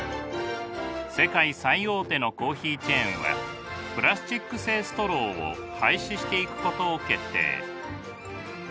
世界最大手のコーヒーチェーンはプラスチック製ストローを廃止していくことを決定。